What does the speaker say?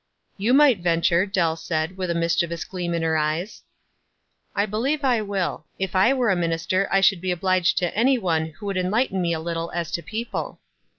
"You might venture," Dell said, with a mis chievous gleam in her eyes. "I believe I will. If I were a minister I should be obliged to any one who would en lighten me a little as to people."